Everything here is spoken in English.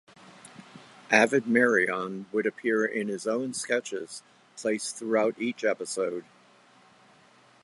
Avid Merrion would appear in his own sketches placed throughout each episode.